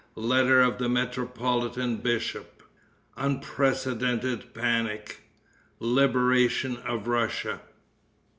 Letter of the Metropolitan Bishop. Unprecedented Panic. Liberation of Russia.